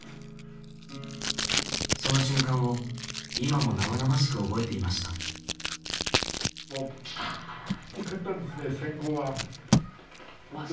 その瞬間を今も生々しく覚えていましたはあ。